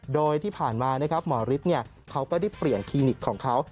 โดยที่ผ่านมาหมอริสเขาก็ได้เปลี่ยนคลินิกของเขา